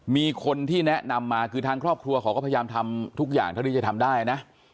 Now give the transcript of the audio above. มีคนที่แนะนำมาคือทางครอบครัวเขาก็พยายามทำทุกอย่างเท่าที่จะทำได้นะ